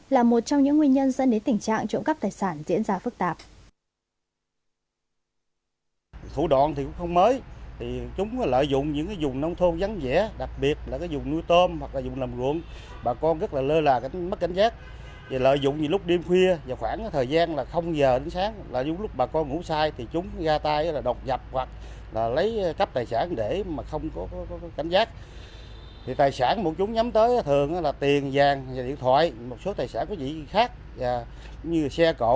là một trong những nguyên nhân dẫn đến tình trạng trộm cắp tài sản diễn ra phức tạp